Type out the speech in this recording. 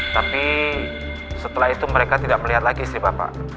tapi setelah itu mereka tidak melihat lagi istri bapak